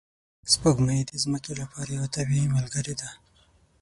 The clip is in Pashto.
سپوږمۍ د ځمکې لپاره یوه طبیعي ملګرې ده